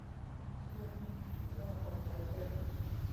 เชี้ย หัวหน้าคนใช้เต้น